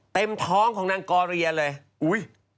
เต็มท้องของนางกรเรียเลย